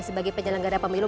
sebagai penyelenggara pemilu